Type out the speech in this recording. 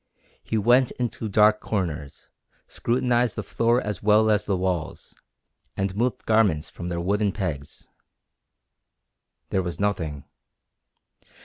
He went into dark corners, scrutinized the floor as well as the walls, and moved garments from their wooden pegs. There was nothing.